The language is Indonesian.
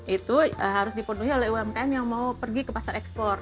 itu harus dipenuhi oleh umkm yang mau pergi ke pasar ekspor